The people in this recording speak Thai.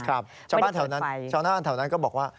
ครับชาวบ้านแถวนั้นก็บอกว่า